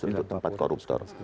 untuk tempat koruptor